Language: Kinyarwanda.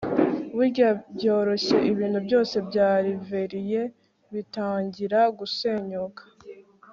burya byoroshye ibintu byose bya reverie bitangira gusenyuka